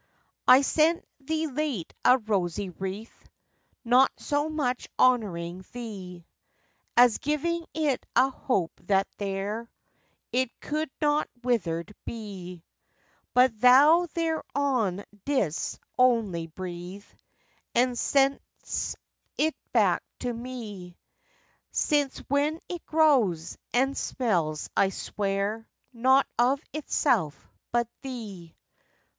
I sent thee late a rosy wreath, Not so much honouring thee As giving it a hope that there It could not withered be: But thou thereon didst only breathe And sent'st it back to me; Since when it grows, and smells, I swear, Not of itself, but thee!